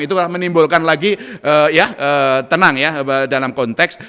itu menimbulkan lagi tenang dalam konteks